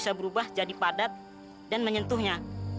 sampai jumpa di video selanjutnya